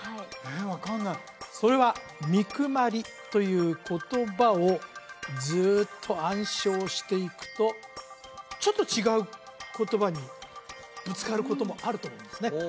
分かんないそれはみくまりという言葉をずっと暗唱していくとちょっと違う言葉にぶつかることもあると思うんですね